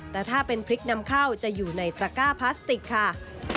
แต่ถ้าเป็นพริกนำเข้าจะอยู่ในตระก้าพลาสติกค่ะ